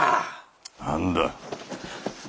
何だ？